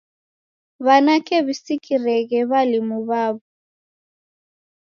W'anake w'isikireghe w'alimu w'aw'o